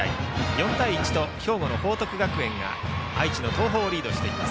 ４対１と、兵庫の報徳学園が愛知の東邦をリードしています。